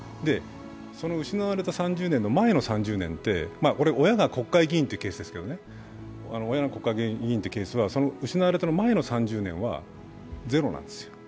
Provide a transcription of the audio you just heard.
その失われた３０年の前の３０年って親が国会議員というケースですが、失われた前の３０年はゼロなんですよ。